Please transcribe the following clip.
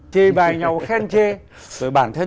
chê bài nhau khen chê rồi bản thân